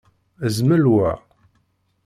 Zmel wa.